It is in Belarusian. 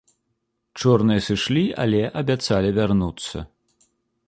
Чорныя сышлі, але абяцалі вярнуцца.